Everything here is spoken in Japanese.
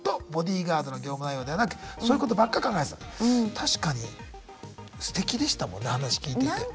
確かにすてきでしたもんね話聞いてて。